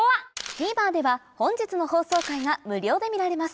ＴＶｅｒでは本日の放送回が無料で見られます